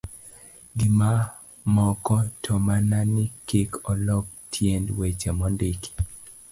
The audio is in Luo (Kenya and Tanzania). gi mamoko, to mana ni kik olok tiend weche mondiki.